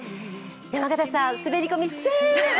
山形さん、滑り込みセーフ！